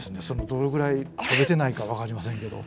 どのぐらい行かれてないか分かりませんけど。